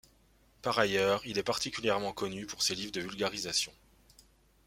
Par ailleurs, il est particulièrement connu pour ses livres de vulgarisation.